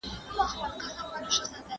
بې تعصبه تحلیل د څېړونکي صفت دی.